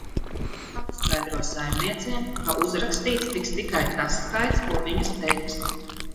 Jāpaskaidro saimniecēm, ka uzrakstīts tiks tikai tas skaits, ko viņas teiks.